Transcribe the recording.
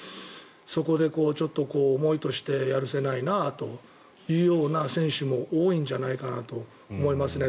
そこで、思いとしてやるせないなというような選手も多いんじゃないかなと思いますね。